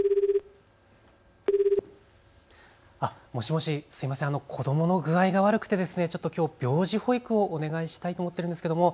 もしもし、すいません、子どもの具合が悪くてきょうちょっと病児保育をお願いしたいと思ってるんですけれども。